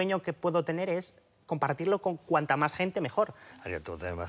ありがとうございます。